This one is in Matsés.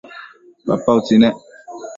papa utsi nec